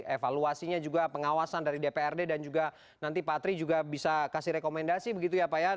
evaluasinya juga pengawasan dari dprd dan juga nanti pak tri juga bisa kasih rekomendasi begitu ya pak ya